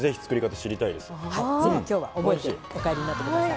是非今日は覚えてお帰りになってください。